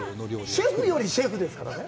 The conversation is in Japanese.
シェフよりシェフですからね。